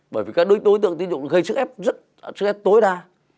bởi vì các đối tượng tín dụng gây sức ép rất tối đa